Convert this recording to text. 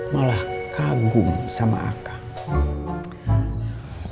malah kagum sama akang